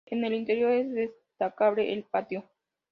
En el interior es destacable el patio.